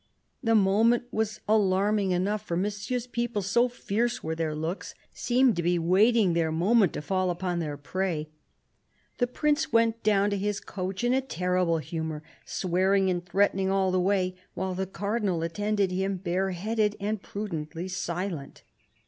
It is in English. The moment was alarming enough, for Monsieur's people, so fierce were their looks, seemed to be waiting their moment to fall upon their prey. The Prince went down to his coach in a terrible humour, swearing and threatening all the way, while the Cardinal attended him bare headed and prudently silent.